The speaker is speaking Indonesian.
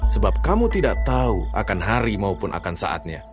sebab kamu tidak tahu akan hari maupun akan saatnya